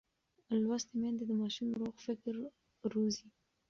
لوستې میندې د ماشوم روغ فکر روزي.